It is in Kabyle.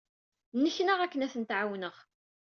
Nneknaɣ akken ad tent-ɛawneɣ.